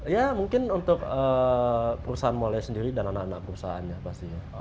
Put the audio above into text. ya mungkin untuk perusahaan molai sendiri dan anak anak perusahaannya pastinya